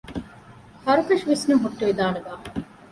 ހަރުކަށި ވިސްނުން ހުއްޓުވިދާނެ ބާ؟